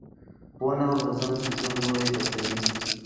ښوونه او روزنه د ژوند لوری بدلوي.